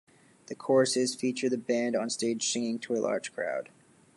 The choruses feature the band on stage singing to a large crowd.